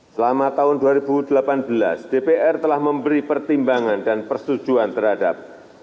selama tahun dua ribu delapan belas dpr telah memberi pertimbangan dan persetujuan terhadap